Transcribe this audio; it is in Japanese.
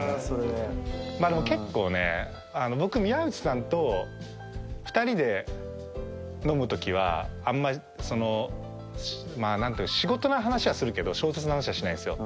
まあでも結構ね僕宮内さんと２人で飲むときはあんまその仕事の話はするけど小説の話はしないんですよ。